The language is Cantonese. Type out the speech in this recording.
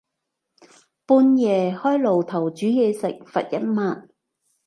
半夜開爐頭煮嘢食，罰一萬